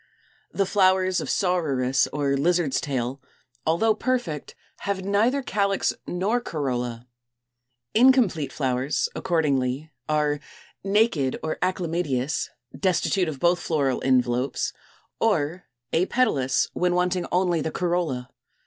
The flowers of Saururus or Lizard's tail, although perfect, have neither calyx nor corolla (Fig. 234). Incomplete flowers, accordingly, are Naked or Achlamydeous, destitute of both floral envelopes, as in Fig. 234, or Apetalous, when wanting only the corolla.